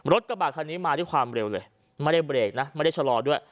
กระบาดคันนี้มาด้วยความเร็วเลยไม่ได้เบรกนะไม่ได้ชะลอด้วย